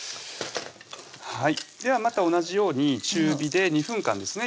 はいではまた同じように中火で２分間ですね焼いていきます